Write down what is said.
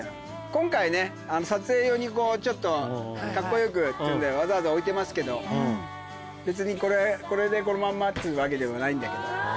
今回ね撮影用にこうちょっとカッコよくっつうんでわざわざ置いてますけど別にこれこれでこのまんまっつうわけではないんだけど。